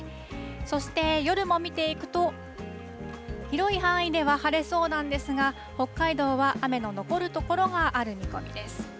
そして夜も見ていくと、広い範囲では晴れそうなんですが、北海道は雨の残る所がある見込みです。